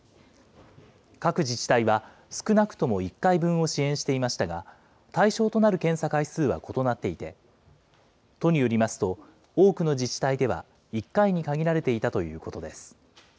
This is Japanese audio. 各自治体は、少なくとも１回分を支援していましたが、対象となる検査回数は異なっていて、都によりますと、多くの自治体では、１回に限られていたということです。